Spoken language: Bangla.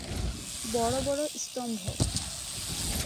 বড় বড় স্তম্ভ।